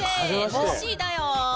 ぬっしーだよ！